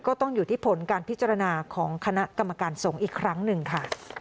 ก็ต้องอยู่ที่ผลการพิจารณาของคณะกรรมการสงฆ์อีกครั้งหนึ่งค่ะ